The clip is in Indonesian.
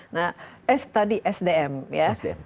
nah tadi sdm ya